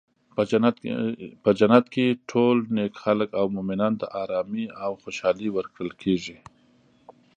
په جنت کې ټول نیک خلک او مومنانو ته ارامي او خوشحالي ورکړل کیږي.